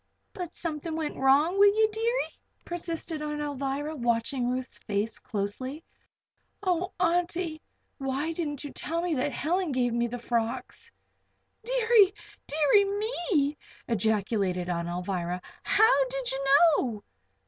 "But something went wrong wi' ye, deary?" persisted Aunt Alvirah, watching Ruth's face closely. "Oh, Auntie! why didn't you tell me that Helen gave me the frocks?" "Deary, deary, me!" ejaculated Aunt Alvirah. "How did you know?"